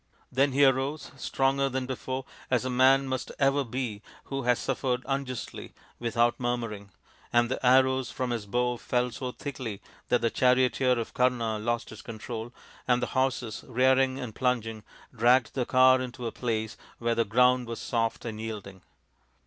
Then he arose, stronger than before, as a man must ever be who has suffered unjustly without murmuring, and the arrows from his bow fell so thickly that the charioteer of Kama lost his control, and the horses, rearing and plunging, dragged the car into a place where the ground was soft and yielding.